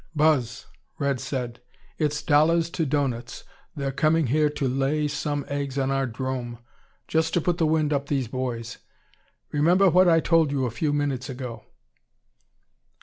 "Buzz," Red said, "it's dollars to doughnuts they're coming here to lay some eggs on our 'drome just to put the wind up these boys. Remember what I told you a few minutes ago."